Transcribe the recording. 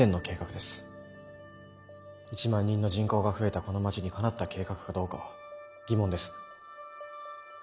１万人の人口が増えたこの街にかなった計画かどうかは疑問です。